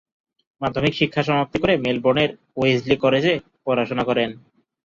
মাধ্যমিক শিক্ষা সমাপ্তি করে মেলবোর্নের ওয়েসলি কলেজে পড়াশোনা করেন।